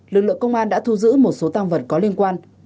lực lượng công an đã thu giữ một số tăng vật có liên quan